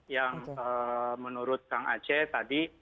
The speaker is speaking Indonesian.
yang menurut kang aceh tadi